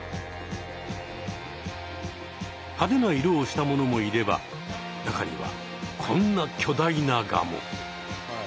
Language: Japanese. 派手な色をしたものもいれば中にはこんなきょだいなガも。